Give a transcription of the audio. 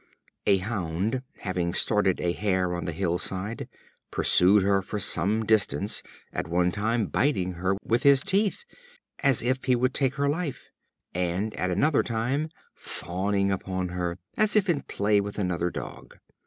A Hound, having started a Hare on the hill side, pursued her for some distance, at one time biting her with his teeth as if he would take her life, and at another time fawning upon her, as if in play with another dog.